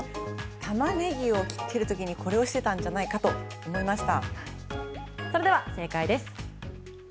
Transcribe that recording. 玉ねぎを切ってるときにこれをしてたんじゃないかと思いました。